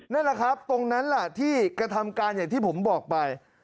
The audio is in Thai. นั่นแหละครับตรงนั้นล่ะที่กระทำการอย่างที่ผมบอกไป